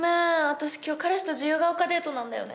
私今日彼氏と自由が丘デートなんだよね。